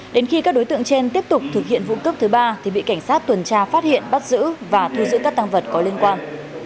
đến khi các đối tượng trên tiếp tục thực hiện vụ cướp thứ ba thì bị cảnh sát tuần tra phát hiện bắt giữ và thu giữ các tăng vật có liên quan